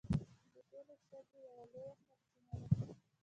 د تیلو شګې یوه لویه سرچینه ده.